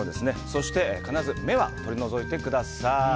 そして、必ず目は取り除いてください。